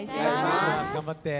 頑張って。